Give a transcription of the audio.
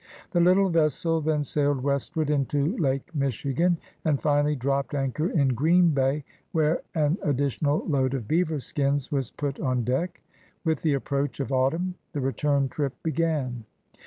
The little vessel then sailed westward into Lake Michigan and finally dropped anchor in Green Bay where an additional load of beaver skins was put on deck. With the approach of autumn the return trip b^an.